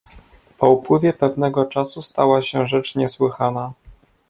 "Po upływie pewnego czasu stała się rzecz niesłychana."